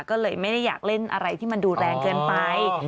ก็เลยไม่ได้อยากเล่นอะไรที่มันดูแรงเกินไป